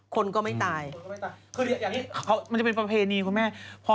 คืออย่างนี้มันจะเป็นประเพณีคุณแม่